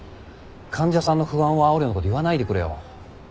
患者さんの不安をあおるようなこと言わないでくれよ。